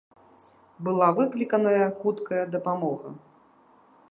Была выкліканая хуткая дапамога.